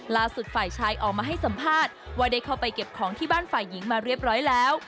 ฝ่ายชายออกมาให้สัมภาษณ์ว่าได้เข้าไปเก็บของที่บ้านฝ่ายหญิงมาเรียบร้อยแล้ว